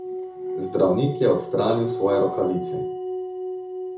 Zdravnik je odstranil svoje rokavice.